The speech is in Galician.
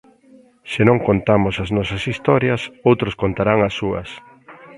Se non contamos as nosas historias, outros contarán as súas.